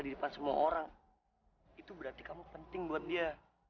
di depan semua orang itu berarti kamu penting buat dia